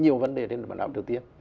nhiều vấn đề trên mặt ảnh triều tiên